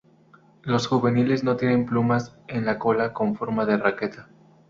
Los juveniles no tienen plumas en la cola con forma de raqueta.